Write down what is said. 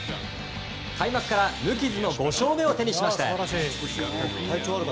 開幕から無傷の５勝目を手にしました。